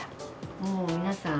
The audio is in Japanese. もう皆さん、